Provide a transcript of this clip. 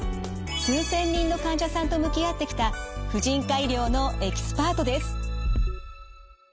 数千人の患者さんと向き合ってきた婦人科医療のエキスパートです。